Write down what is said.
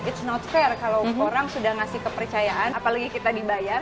it's not fair kalau orang sudah ngasih kepercayaan apalagi kita dibayar